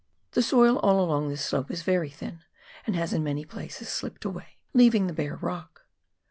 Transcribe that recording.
The soil all along this slope is very thin, and has in many places slipped away, leaving the bare rock.